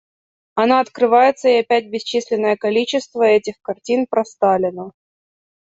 Она открывается и опять бесчисленное количество этих картин про Сталина.